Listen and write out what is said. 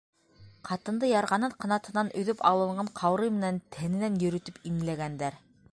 — Ҡатынды ярғанат ҡанатынан өҙөп алынған ҡаурый менән тәненән йөрөтөп имләгәндәр.